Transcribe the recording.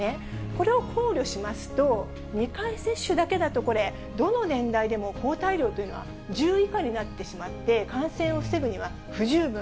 これを考慮しますと、２回接種だけだとこれ、どの年代でも抗体量というのは１０以下になってしまって、感染を防ぐには不十分。